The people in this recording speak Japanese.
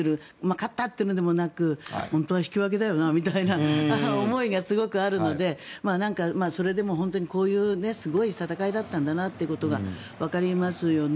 勝ったというのでもなく本当は引き分けだよなみたいな思いがすごくあるのでそれでも本当にこういうすごい戦いだったんだなっていうことがわかりますよね。